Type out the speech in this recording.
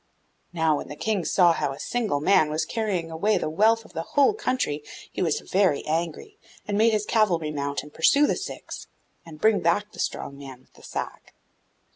Now, when the King saw how a single man was carrying away the wealth of the whole country he was very angry, and made his cavalry mount and pursue the Six, and bring back the strong man with the sack.